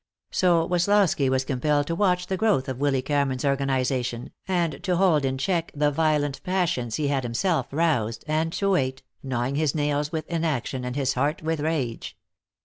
So Woslosky was compelled to watch the growth of Willy Cameron's organization, and to hold in check the violent passions he had himself roused, and to wait, gnawing his nails with inaction and his heart with rage.